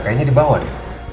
kayaknya dibawa deh